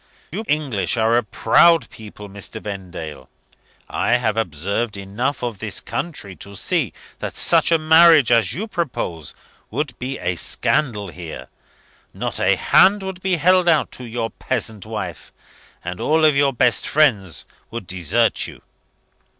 You English are a proud people, Mr. Vendale. I have observed enough of this country to see that such a marriage as you propose would be a scandal here. Not a hand would be held out to your peasant wife; and all your best friends would desert you."